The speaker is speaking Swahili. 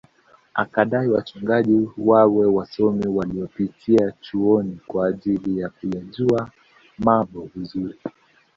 Akadai wachungaji wawe wasomi waliopitia chuoni kwa ajili ya kuyajua mabo vizuri